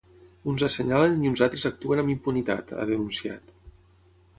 Uns assenyalen i uns altres actuen amb impunitat, ha denunciat.